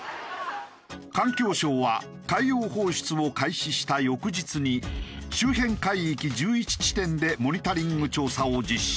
環境省は海洋放出を開始した翌日に周辺海域１１地点でモニタリング調査を実施。